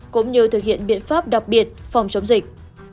cũng như thực hiện biện pháp đặc biệt phòng chống dịch